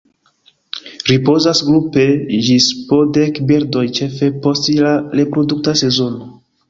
Ripozas grupe ĝis po dek birdoj ĉefe post la reprodukta sezono.